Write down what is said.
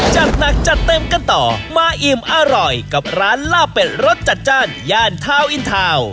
จัดหนักจัดเต็มกันต่อมาอิ่มอร่อยกับร้านลาบเป็ดรสจัดจ้านย่านทาวนอินทาวน์